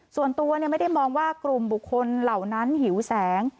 ส่วนตัวไม่ได้มองว่ากลุ่มบุคคลเหล่านั้นหิวแสง